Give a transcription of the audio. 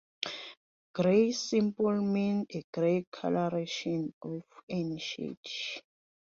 Grey simply means a grey colouration of any shade.